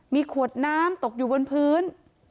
มีขวดน้ำตกอยู่บนพื้น